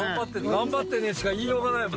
頑張ってねしか言いようがないもん。